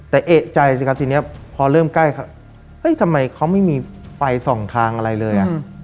แต่เอกใจสิครับทีนี้พอเริ่มใกล้ทำไมเขาไม่มีไฟส่องทางอะไรเลย